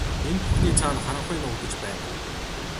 Энэ бүхний цаана харанхуй нуугдаж байна.